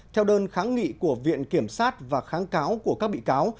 theo đơn kháng nghị của viện kiểm sát và kháng cáo của các bị cáo